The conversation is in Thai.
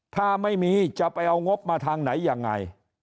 ถ้าไม่มีจะไปเอางบมาทางไหนยังไง